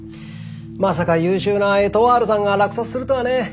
まさか優秀なエトワールさんが落札するとはね。